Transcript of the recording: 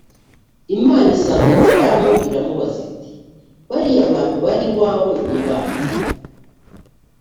imana isanga balamu iramubaza iti «bariya bantu bari iwawe ni ba nde?